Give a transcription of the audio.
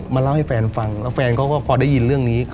เล่าให้แฟนฟังแล้วแฟนเขาก็พอได้ยินเรื่องนี้